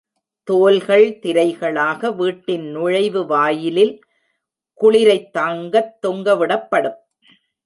தோல்கள் திரைகளாக வீட்டின் நுழைவு வாயிலில் குளிரைத் தாங்கத் தொங்க விடப்படும்.